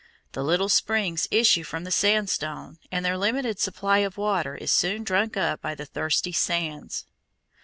The little springs issue from the sandstone, and their limited supply of water is soon drunk up by the thirsty sands.